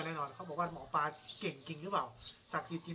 แน่นอนเขาบอกว่าหมอปลาเก่งจริงหรือเปล่าศักดิ์สิทธิ์จริง